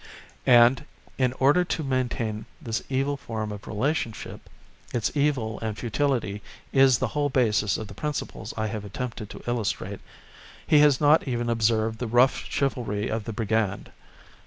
And in order to maintain this evil form of relationship its evil and futility is the whole basis of the principles I have attempted to illustrate he has not even observed the rough chivalry of the brigand.